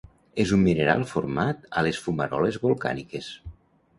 És un mineral format a les fumaroles volcàniques.